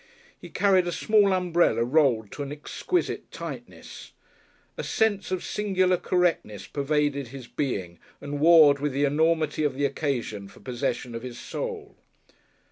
He carried a small umbrella rolled to an exquisite tightness. A sense of singular correctness pervaded his being and warred with the enormity of the occasion for possession of his soul.